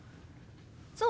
そう？